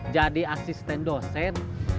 jadi asisten dosen